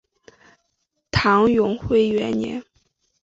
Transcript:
唐永徽元年。